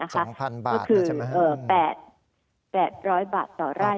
ก็คือ๘๐๐บาทต่อไร่